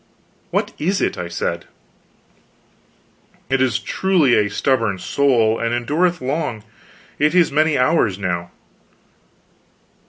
"What is it?" I said. "It is truly a stubborn soul, and endureth long. It is many hours now."